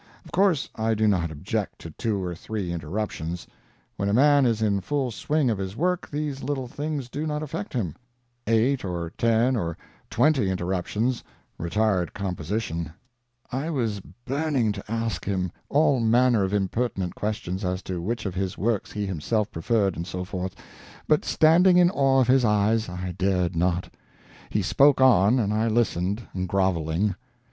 Of course, I do not object[Pg 180] to two or three interruptions. When a man is in the full swing of his work these little things do not affect him. Eight or ten or twenty interruptions retard composition." I was burning to ask him all manner of impertinent questions, as to which of his works he himself preferred, and so forth; but, standing in awe of his eyes, I dared not. He spoke on, and I listened, grovelling.